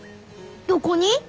どこに？